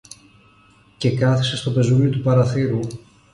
και κάθησε στο πεζούλι του παραθύρου